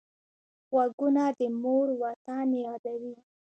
غوږونه د مور وطن یادوي